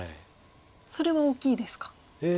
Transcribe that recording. それは大きいですか。